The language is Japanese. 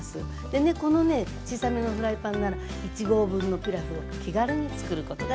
でねこのね小さめのフライパンなら１合分のピラフを気軽につくることができると思いますよ。